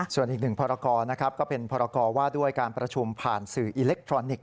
ส่วนอีกหนึ่งพรกรนะครับก็เป็นพรกรว่าด้วยการประชุมผ่านสื่ออิเล็กทรอนิกส